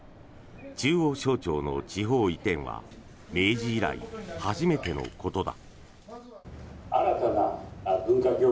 中央省庁の地方移転は明治以来初めてのことだ。